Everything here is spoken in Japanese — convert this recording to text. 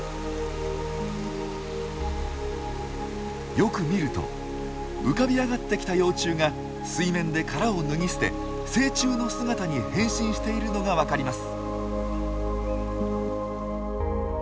よく見ると浮かび上がってきた幼虫が水面で殻を脱ぎ捨て成虫の姿に変身しているのがわかります。